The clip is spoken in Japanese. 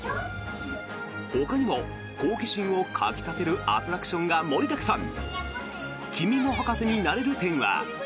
ほかにも好奇心をかき立てるアトラクションが盛りだくさん！